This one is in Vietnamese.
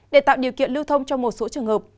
để tạo điều kiện lưu thông cho một số trường hợp